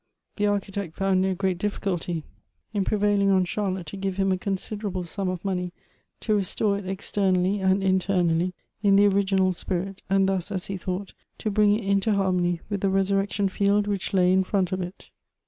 The Architect found no great difficulty in prevailing Elective Affinities. 161 on Charlotte to give him a considerable sum of money to restore it externally and internally, in the original spirit, and thus, as he thought, to bring it into harmony with the resurrection field which lay in front of it.